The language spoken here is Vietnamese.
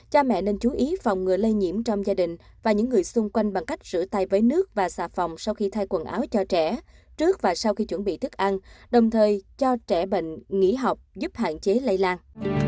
cha mẹ nên chú ý phòng ngừa lây nhiễm trong gia đình và những người xung quanh bằng cách rửa tay với nước và xà phòng sau khi thay quần áo cho trẻ trước và sau khi chuẩn bị thức ăn đồng thời cho trẻ bệnh nghỉ học giúp hạn chế lây lan